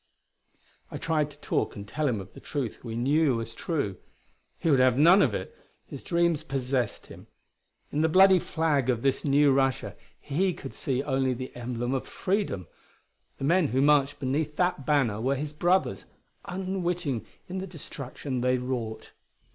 I tried to talk and tell him of the truth we knew was true. He would have none of it; his dreams possessed him. In the bloody flag of this new Russia he could see only the emblem of freedom; the men who marched beneath that banner were his brothers, unwitting in the destruction they wrought.